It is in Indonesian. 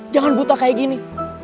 jangan buta kayak gini